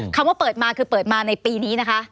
ว่าเปิดมาคือเปิดมาในปีนี้นะคะ